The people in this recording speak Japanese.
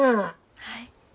はい。